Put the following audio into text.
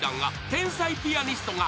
［天才ピアニストが。